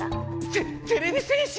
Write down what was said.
ててれび戦士⁉